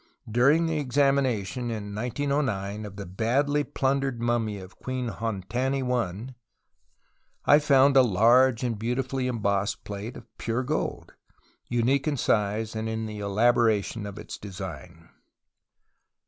During the examination (in 1909) of the badly plundered mummy of Queen Hontaui I found a large and beautifully embossed plate of pure gold, unique in size and in the elaboration of its design.